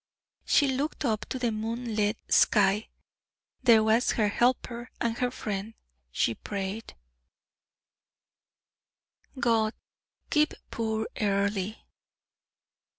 She looked up to the moon lit sky. There was her helper and her friend. She prayed: "God keep poor Earle."